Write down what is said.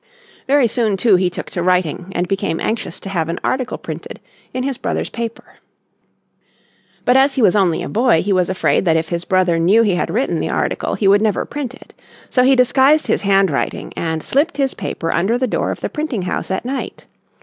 Very soon too he took to writing, and became anxious to have an article printed in his brother's paper. But as he was only a boy he was afraid that if his brother knew he had written the article he would never print it. So he disguised his handwriting, and slipped his paper under the door of the printing house at night.